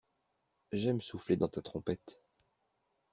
j'aime souffler dans ta trompette.